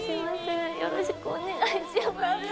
よろしくお願いします。